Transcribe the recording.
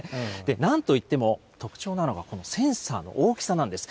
なんといっても特徴なのは、このセンサーの大きさなんです。